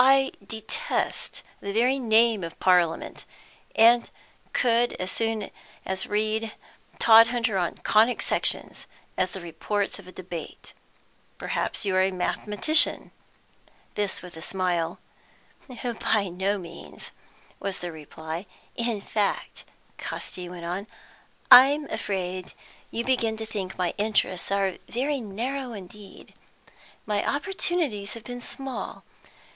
"I detest the very name of Parliament, and could as soon read Todhunter on Conic Sections as the reports of a debate. Perhaps you're a mathematician?" This with a smile. "By no means," was the reply. "In fact," Casti went on, "I'm afraid you begin to think my interests are very narrow indeed. My opportunities have been small.